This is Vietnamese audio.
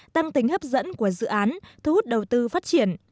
tăng tính hấp dẫn của dự án thu hút đầu tư phát triển